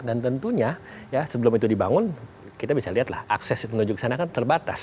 dan tentunya sebelum itu dibangun kita bisa lihatlah akses menuju ke sana kan terbatas